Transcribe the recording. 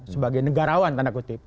sebagai negarawan tanda kutip